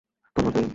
ধন্যবাদ, মেইলিন।